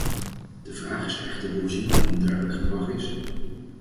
De vraag is echter hoe zinvol een dergelijk gedrag is.